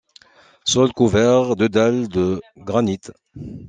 Sol couvert de dalles de granite.